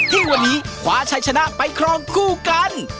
ที่วันนี้คว้าชัยชนะไปครองคู่กัน